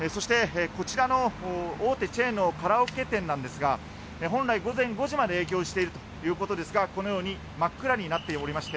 こちらの大手チェーンのカラオケ店ですが本来、午前５時まで営業しているところですがこのように真っ暗です。